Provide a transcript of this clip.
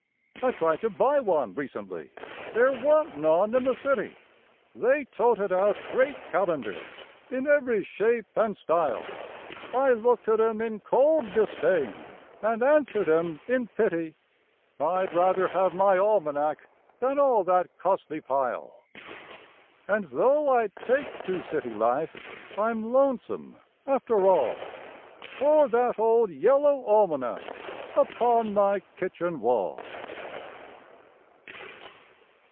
I tried to buy one recently; there wa'n't none in the city! They toted out great calendars, in every shape and style. I looked at 'em in cold disdain, and answered 'em in pity— "I'd rather have my almanac than all that costly pile." And though I take to city life, I'm lonesome after all For that old yellow almanac upon my kitchen wall.